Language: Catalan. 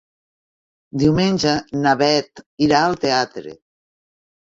Diumenge na Bet irà al teatre.